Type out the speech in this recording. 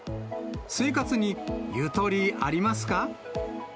生活にゆとりありますか？